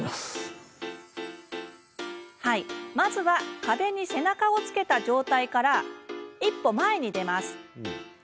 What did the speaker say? まずは壁に背中をつけた状態から一歩、前に出ます。